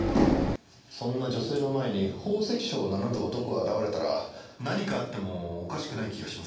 そんな女性の前に宝石商を名乗る男が現れたら何かあってもおかしくない気がしません？